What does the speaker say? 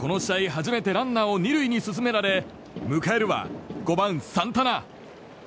初めてランナーを２塁に進められ迎えるは５番、サンタナ。